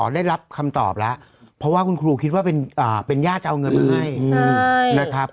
ได้รับคำตอบแล้วเพราะว่าคุณครูคิดว่าเป็นญาติจะเอาเงินมาให้นะครับ